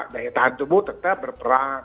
daya tahan tubuh tetap berperang